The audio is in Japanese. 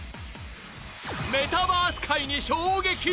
メタバース界に衝撃。